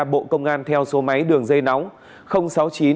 bộ công an theo số máy đường dây nóng